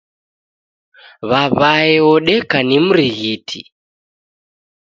W'aw'aye odeka ni mrighitiaa